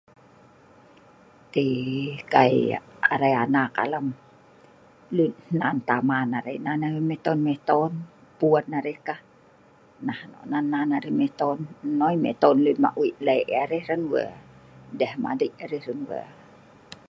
Kai arai anak alam, hnan Taman arai, pun arai kah, nan arai Miton ma' Wei le' arai hran we..deh madei..